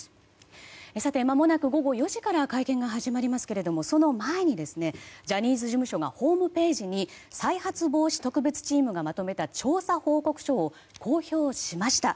さて、まもなく午後４時から会見が始まりますけれどもその前に、ジャニーズ事務所がホームページに再発防止特別チームがまとめた調査報告書を公表しました。